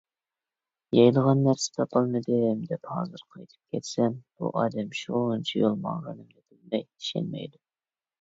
يەيدىغان نەرسە تاپالمىدىم، دەپ ھازىر قايتىپ كەتسەم، بۇ ئادەم شۇنچە يول ماڭغىنىمنى بىلمەي ئىشەنمەيدۇ.